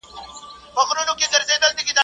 اوس به د چا په سترګو وینم د وصال خوبونه.